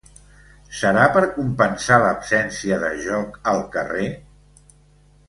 Serà per compensar l’absència de joc al carrer?